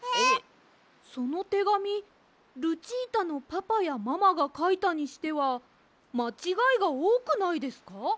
そのてがみルチータのパパやママがかいたにしてはまちがいがおおくないですか？